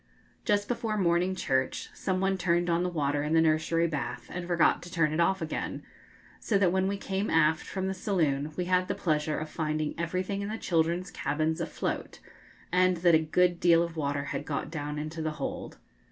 Just before morning church some one turned on the water in the nursery bath, and forgot to turn it off again, so that when we came aft from the saloon we had the pleasure of finding everything in the children's cabins afloat, and that a good deal of water had got down into the hold.